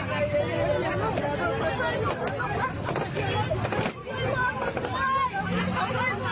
ลูกแม่ชิ้นมันเฝ้าตา